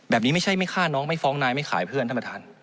ไม่ใช่ไม่ฆ่าน้องไม่ฟ้องนายไม่ขายเพื่อนท่านประธาน